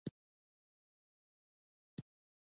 په ټوپونو له ويالې تېر شو.